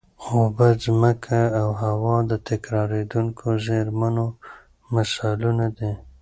اوبه، ځمکه او هوا د تکرارېدونکو زېرمونو مثالونه دي.